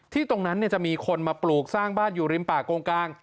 ตรงนั้นจะมีคนมาปลูกสร้างบ้านอยู่ริมป่ากงกลาง